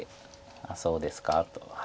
「あっそうですか」と。